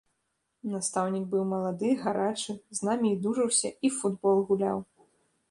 Настаўнік быў малады, гарачы, з намі і дужаўся, і ў футбол гуляў.